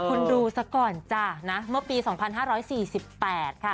คุณดูซะก่อนจ้ะนะเมื่อปี๒๕๔๘ค่ะ